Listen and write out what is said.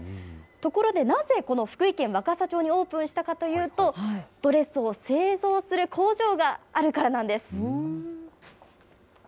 ところでなぜ、この福井県若狭町にオープンしたかというと、ドレスを製造する工場があるからなんです。